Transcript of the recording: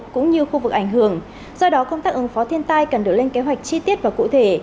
cũng như khu vực ảnh hưởng do đó công tác ứng phó thiên tai cần đưa lên kế hoạch chi tiết và cụ thể